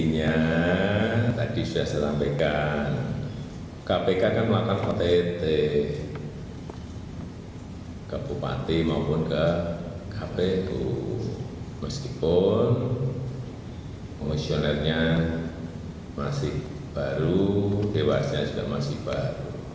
namun komisionernya masih baru dewasnya juga masih baru